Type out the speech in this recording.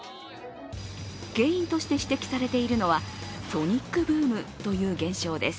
原因として指摘されているのはソニックブームという現象です。